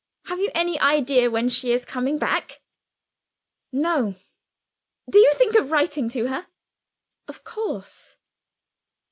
Have you any idea when she is coming back?" "No." "Do you think of writing to her?" "Of course!"